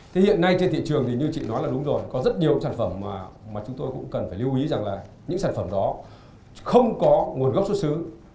thế hiện nay trên thị trường thì như chị nói là đúng rồi có rất nhiều sản phẩm mà chúng tôi cũng cần phải lưu ý rằng là những sản phẩm đó không có nguồn gốc xuất xứ